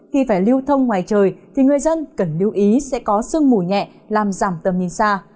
khi phải lưu thông ngoài trời thì người dân cần lưu ý sẽ có sương mù nhẹ làm giảm tầm nhìn xa